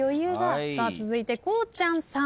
続いてこうちゃんさん。